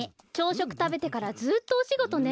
しょくたべてからずっとおしごとね。